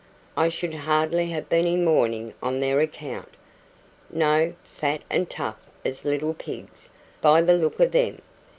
"I should hardly have been in mourning on their account. No fat and tough as little pigs, by the look of them.